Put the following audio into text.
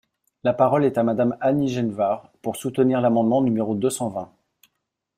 La parole est à Madame Annie Genevard, pour soutenir l’amendement numéro deux cent vingt.